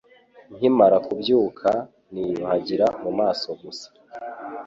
Nkimara kubyuka, niyuhagira mumaso gusa